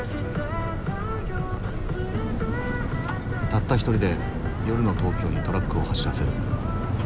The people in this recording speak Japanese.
たった一人で夜の東京にトラックを走らせる。